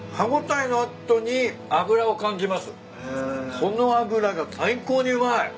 この脂が最高にうまい。